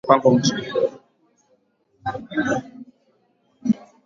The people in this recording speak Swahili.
Mji Mkongwe umekuwa ukilindwa kama eneo la hifadhi chini ya Sheria ya Mipango Mji